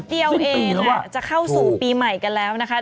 เดียวเองจะเข้าสู่ปีใหม่กันแล้วนะคะ